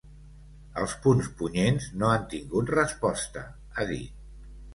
Els punts punyents no han tingut resposta, ha dit.